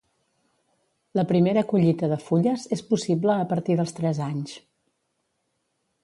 La primera collita de fulles és possible a partir dels tres anys.